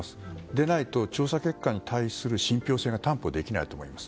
でないと調査結果に対する信憑性が担保できないと思います。